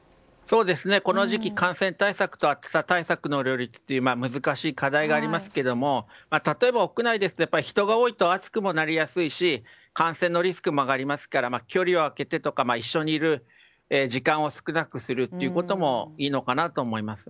この時期、感染対策と暑さ対策の両立っていう難しい課題がありますがたとえば、屋内ですと人が多いと暑くなりやすいですし感染のリスクも上がりますから距離を空けてとか一緒にいる時間を少なくするということもいいのかなと思います。